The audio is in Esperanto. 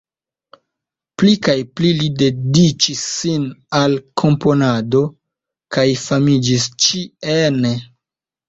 Pli kaj pli li dediĉis sin al komponado kaj famiĝis ĉi-ene.